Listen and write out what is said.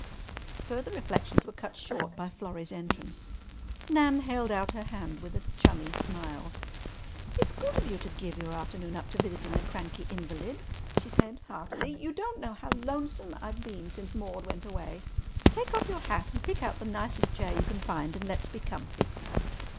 Further reflections were cut short by Florrie's entrance. Nan held out her hand with a chummy smile. "It's good of you to give your afternoon up to visiting a cranky invalid," she said heartily. "You don't know how lonesome I've been since Maude went away. Take off your hat and pick out the nicest chair you can find, and let's be comfy."